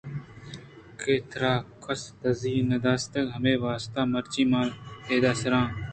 کہ ترا کسّ ءَدزّی ءَ نہ دیستگ؟ ہمے واسطہ مرچی من اِد ءَ سَراں